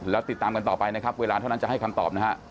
แล้วติดตามกันต่อไปนะครับเวลาเท่านั้นจะให้คำตอบนะฮะ